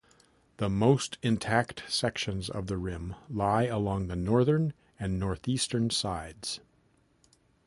The most intact sections of the rim lie along the northern and northeastern sides.